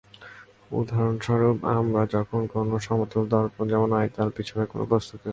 উদাহরণস্বরূপ- আমরা যখন কোন সমতল দর্পণ যেমন আয়নার সামনে কোন বস্তুকে রাখি তখন আমরা আয়নায় ঐ বস্তুটির প্রতিচ্ছবি দেখতে পাই।